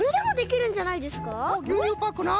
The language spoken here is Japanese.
ぎゅうにゅうパックな。